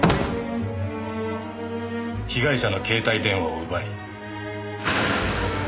被害者の携帯電話を奪い。